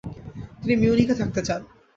তিনি মিউনিখে থাকতে চান।